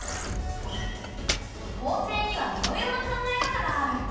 公正にはいろいろな考え方がある。